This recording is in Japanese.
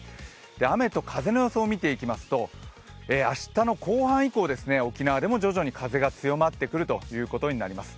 雨と風の予想を見ていきますと明日の後半以降、沖縄でも徐々に風が強まってくることになります。